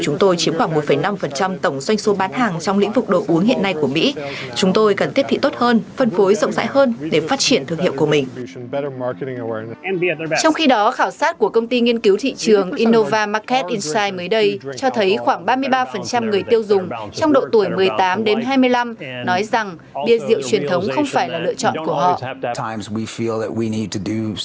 nói rằng bia rượu truyền thống không phải là lựa chọn của họ